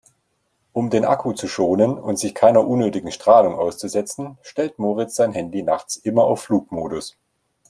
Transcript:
Um den Akku zu schonen und sich keiner unnötigen Strahlung auszusetzen, stellt Moritz sein Handy nachts immer auf Flugmodus.